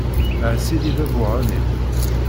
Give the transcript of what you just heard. A sidi bab uγanim.